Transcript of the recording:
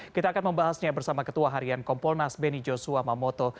kita akan membahasnya bersama ketua harian kompolnas benny joshua mamoto